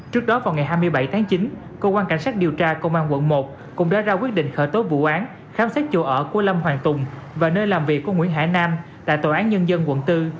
trước đó vào ngày hai mươi bảy tháng chín cơ quan cảnh sát điều tra công an quận một cũng đã ra quyết định khởi tố vụ án khám xét chỗ ở của lâm hoàng tùng và nơi làm việc của nguyễn hải nam tại tòa án nhân dân quận bốn